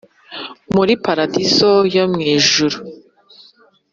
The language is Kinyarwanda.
muri paradizo yo mwijuru.